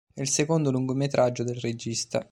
È il secondo lungometraggio del regista.